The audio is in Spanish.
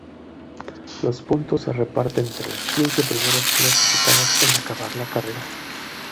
Los puntos se reparten entre los quince primeros clasificados en acabar la carrera.